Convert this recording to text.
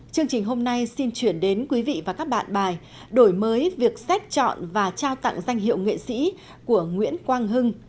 chương trình hôm nay xin chuyển đến quý vị và các bạn bài đổi mới việc xét chọn và trao tặng danh hiệu nghệ sĩ của nguyễn quang hưng